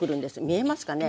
見えますかね？